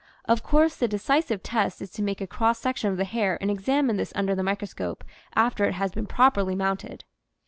Of course the decisive test is to make a cross section of the hair and examine this under the microscope after it has been properly mounted.